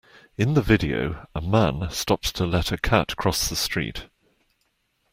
In the video, a man stops to let a cat cross the street.